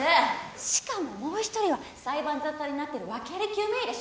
しかももう一人は裁判沙汰になってる訳あり救命医でしょ？